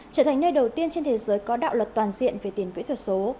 trở thành nơi đầu tiên trên thế giới có đạo luật toàn diện về tiền kỹ thuật số